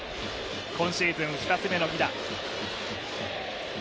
今シーズン２つ目の犠打。